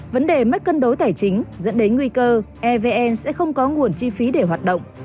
vấn đề mất cân đối tài chính dẫn đến nguy cơ evn sẽ không có nguồn chi phí để hoạt động